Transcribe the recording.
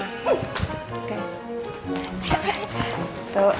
satu dua tiga